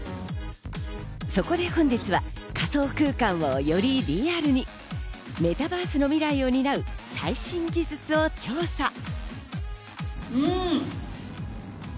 そこで本日は仮想空間をよりリアルに、メタバースの未来を担う最新技術を調査。